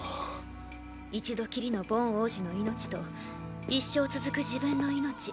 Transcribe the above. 一度きりのボン王子の命と一生続く自分の命。